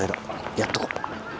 やっとこう。